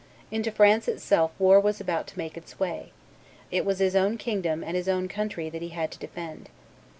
Into France itself war was about to make its way; it was his own kingdom and his own country that he had to defend.